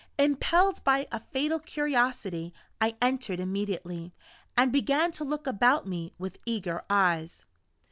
Impelled by a fatal curiosity, I entered immediately, and began to look about me with eager eyes.